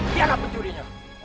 tidak ada pencurinya